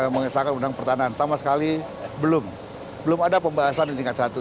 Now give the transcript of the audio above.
mengisahkan undang undang pertanahan sama sekali belum belum ada pembahasan di tingkat satu